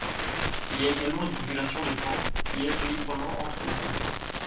Il y a également une population de paons qui errent librement entre les clôtures.